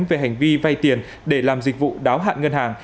về hành vi vay tiền để làm dịch vụ đáo hạn ngân hàng